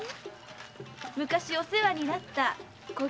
昔お世話になった小菊です。